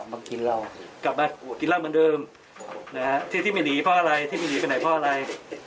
ไปไหนไม่รู้จะไปไหนใช่มั้ย